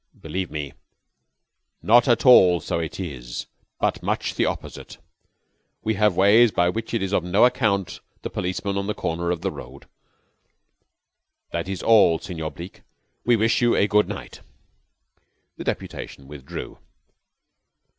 Believe me, not at all so is it, but much the opposite. We have ways by which it is of no account the policeman on the corner of the road. That is all, Senor Bleke. We wish you a good night." The deputation withdrew.